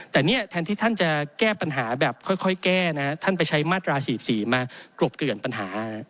แต่เนี่ยแทนที่ท่านจะแก้ปัญหาแบบค่อยแก้นะท่านไปใช้มาตรา๔๔มากรบเกลื่อนปัญหา